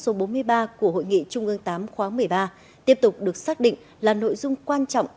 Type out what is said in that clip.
số bốn mươi ba của hội nghị trung ương tám khóa một mươi ba tiếp tục được xác định là nội dung quan trọng